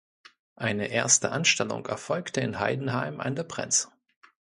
Eine erste Anstellung erfolgte in Heidenheim an der Brenz.